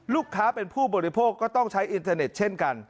ลูกค้าเป็นผู้บริโภคก็ต้องใช้อินเทอร์เน็ตเช่นกัน